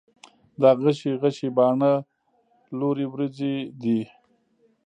دا غشي غشي باڼه، لورې وروځې دي